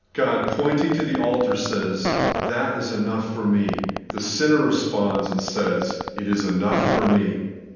God, pointing to the altar, says, ' That is enough for me ;' the sinner responds, and says, ' It is enough for me.'